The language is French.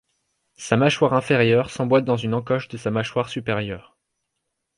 Sa mâchoire inférieure s’emboîte dans une encoche de sa mâchoire supérieure.